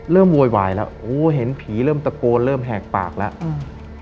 โวยวายแล้วโอ้เห็นผีเริ่มตะโกนเริ่มแหกปากแล้วอืม